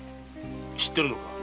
知ってるのか？